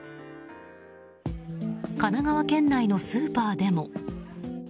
神奈川県内のスーパーでも。